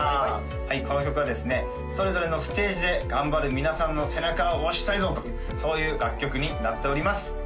はいこの曲はですねそれぞれのステージで頑張る皆さんの背中を押したいぞとそういう楽曲になっております